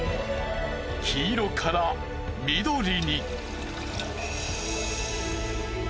黄色から緑に。